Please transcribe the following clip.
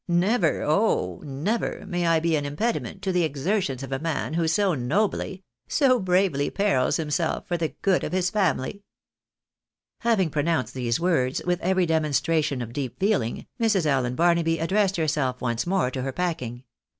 Never, oh ! never, may I be an impediment to the exertions of a man who so nobly, so bravely perils himself, for the good of his family !" Having pronounced these words with every demonstration of deep feeling, Jlrs. Allen Barnaby addressed herself once more to her packing.